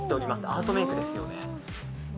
アートメイクですよね。